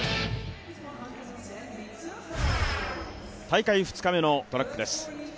大会２日目のトラックです。